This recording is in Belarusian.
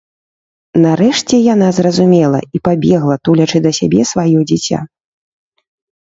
Нарэшце яна зразумела і пабегла, тулячы да сябе сваё дзіця.